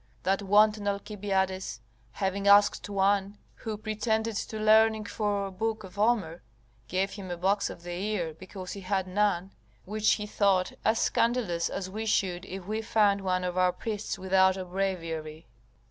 That wanton Alcibiades, having asked one, who pretended to learning, for a book of Homer, gave him a box of the ear because he had none, which he thought as scandalous as we should if we found one of our priests without a Breviary.